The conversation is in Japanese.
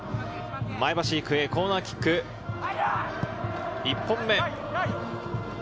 前橋育英、コーナーキック１本目。